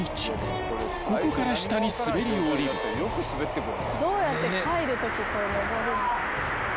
［ここから下に滑り降りる］